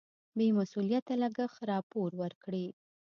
بې مسؤلیته لګښت راپور ورکړي.